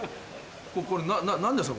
これ何ですか？